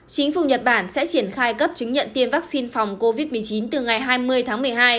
chính phủ nhật bản sẽ triển khai cấp chứng nhận tiêm vaccine phòng covid một mươi chín từ ngày hai mươi tháng một mươi hai